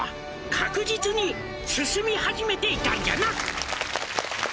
「確実に進み始めていたんじゃな」